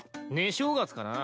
正月かなぁ。